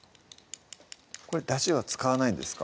これだしは使わないんですか？